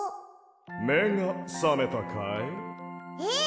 めがさめたかい？え！？